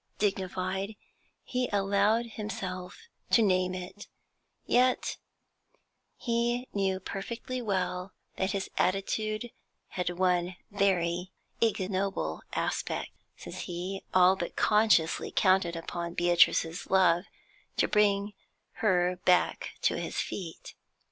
Dignified, he allowed himself to name it; yet he knew perfectly well that his attitude had one very ignoble aspect, since he all but consciously counted upon Beatrice's love to bring her back to his feet.